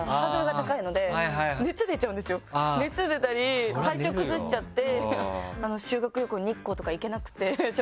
熱出たり体調崩しちゃって。